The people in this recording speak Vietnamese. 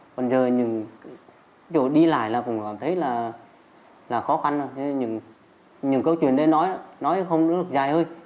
còn giờ đi lại là cũng cảm thấy là khó khăn những câu chuyện đấy nói không được dài hơi